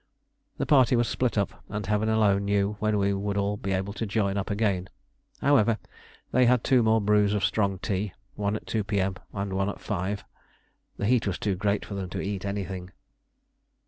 The party was split up, and Heaven alone knew when we should all be able to join up again. However, they had two more brews of strong tea one at 2 P.M. and one at 5. The heat was too great for them to eat anything.